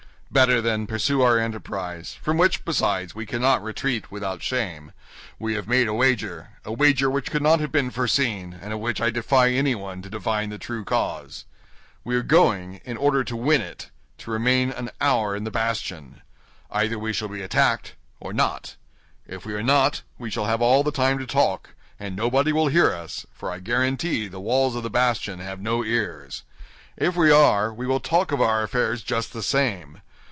Better, then, pursue our enterprise; from which, besides, we cannot retreat without shame. We have made a wager—a wager which could not have been foreseen, and of which I defy anyone to divine the true cause. We are going, in order to win it, to remain an hour in the bastion. Either we shall be attacked, or not. If we are not, we shall have all the time to talk, and nobody will hear us—for I guarantee the walls of the bastion have no ears; if we are, we will talk of our affairs just the same.